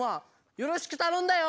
よろしくたのんだよ。